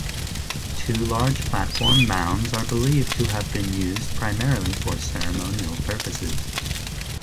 Two large platform mounds are believed to have been used primarily for ceremonial purposes.